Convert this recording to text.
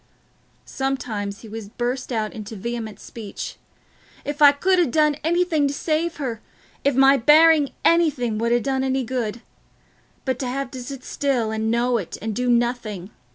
Sometimes he would burst out into vehement speech, "If I could ha' done anything to save her—if my bearing anything would ha' done any good... but t' have to sit still, and know it, and do nothing...